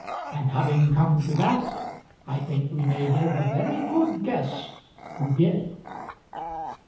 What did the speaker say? And having come to that, I think we may give a very good guess who did."